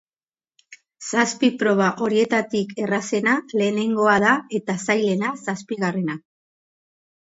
Zazpi proba horietatik errazena lehenengoa da eta zailena zazpigarrena.